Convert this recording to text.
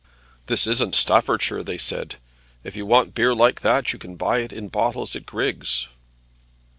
"This isn't Staffordshire," they said. "If you want beer like that you can buy it in bottles at Griggs'."